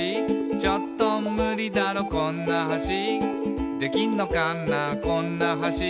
「ちょっとムリだろこんな橋」「できんのかなこんな橋」